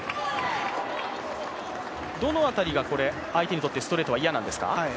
どの辺りが相手にとってストレートは嫌なんですか？